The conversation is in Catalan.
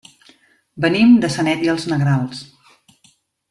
Venim de Sanet i els Negrals.